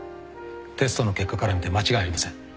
テストの結果から見て間違いありません